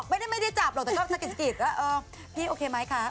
ไม่ได้ไม่ได้จับหรอกแต่ก็สะกิดแล้วพี่โอเคไหมคะ